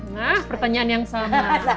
nah pertanyaan yang sama